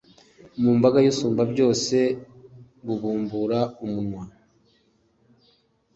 mu mbaga y'umusumbabyose bubumbura umunwa